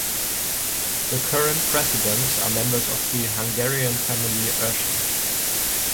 The current presidents are members of the Hungarian family, Ersching.